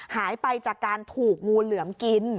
หายไปจากการถูกงูเหลือมกิน